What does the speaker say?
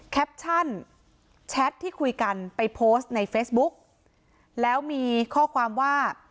แคปชั่นแชทที่คุยกันไปโพสต์ในเฟซบุ๊กแล้วมีข้อความว่า